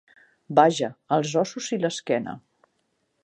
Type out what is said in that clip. Vaja, els ossos i l'esquena!